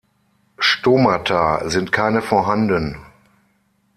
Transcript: Stomata sind keine vorhanden.